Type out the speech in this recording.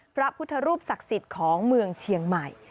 พระพุทธรูปศักดิ์สิทธิ์ของเมืองเชียงใหม่